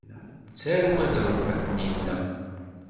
D tarwa i trebba tninna.